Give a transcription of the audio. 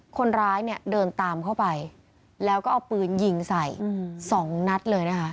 คนร้ายเนี่ยเดินตามเข้าไปแล้วก็เอาปืนยิงใส่๒นัดเลยนะคะ